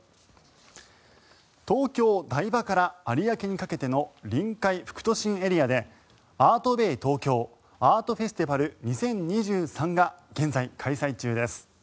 東京・台場から有明にかけての臨海副都心エリアでＡＲＴＢＡＹＴＯＫＹＯアートフェスティバル２０２３が現在、開催中です。